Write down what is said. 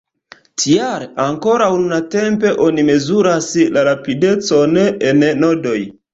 Tial ankoraŭ nuntempe oni mezuras la rapidecon en nodoj.